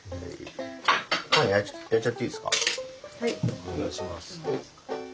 お願いします。